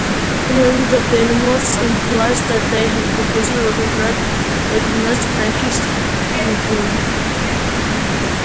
The language of the "Annals" implies that they had previously recognized Frankish suzerainty.